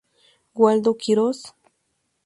Waldo Quiroz